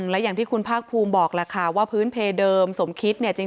และอย่างที่คุณภาคภูมิบอกแหละค่ะว่าพื้นเพเดิมสมคิดเนี่ย